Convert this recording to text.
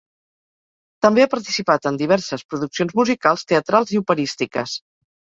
També ha participat en diverses produccions musicals, teatrals i operístiques.